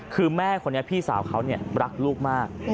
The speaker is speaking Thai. คือแม่คนนี้พี่สาวเขารักลูกมาก